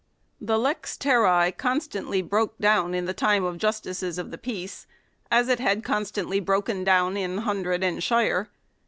3 The " lex terrae " constantly broke down in the time of justices of the peace as it had constantly broken down in hundred and shire.